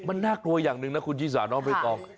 มันน่ากลัวอย่างนึงนะคุณยี่สาน้อมเวทอง